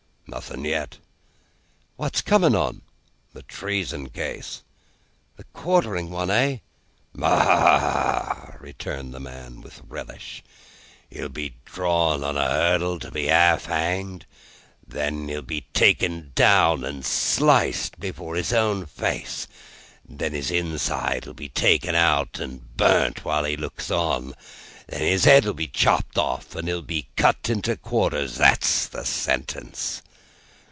"Nothing yet." "What's coming on?" "The Treason case." "The quartering one, eh?" "Ah!" returned the man, with a relish; "he'll be drawn on a hurdle to be half hanged, and then he'll be taken down and sliced before his own face, and then his inside will be taken out and burnt while he looks on, and then his head will be chopped off, and he'll be cut into quarters. That's the sentence."